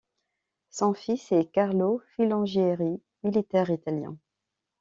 Son fils est Carlo Filangieri, militaire italien.